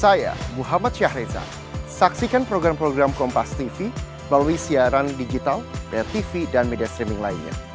saya muhammad syahriza saksikan program program kompas tv melalui siaran digital tv dan media streaming lainnya